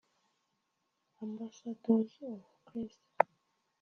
Ambassadors of Christ